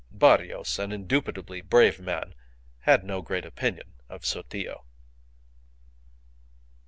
Barrios, an indubitably brave man, had no great opinion of Sotillo.